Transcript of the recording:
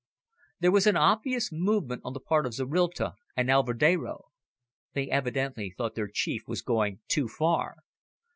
There was an obvious movement on the part of Zorrilta and Alvedero. They evidently thought their chief was going too far.